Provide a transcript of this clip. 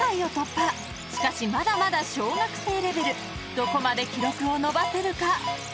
［どこまで記録を伸ばせるか］